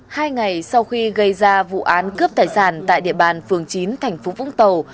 hai ngày sau khi gây ra vụ án cướp tài sản tại địa bàn phường chín tp vũng tàu